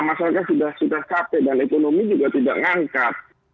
masyarakat sudah capek dan ekonomi juga tidak ngangkat